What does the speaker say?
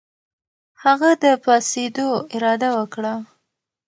هغه د پاڅېدو اراده وکړه.